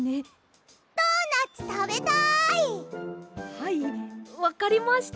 はいわかりました。